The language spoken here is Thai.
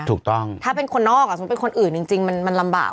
ถูกต้องถ้าเป็นคนนอกอ่ะสมมุติเป็นคนอื่นจริงมันลำบาก